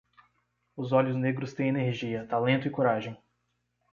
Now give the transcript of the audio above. Os olhos negros têm energia, talento e coragem.